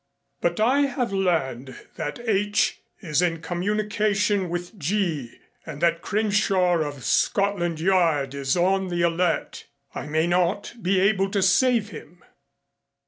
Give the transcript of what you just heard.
But I have learned that H is in communication with G and that Crenshaw of Scotland Yard is on the alert. I may not be able to save him.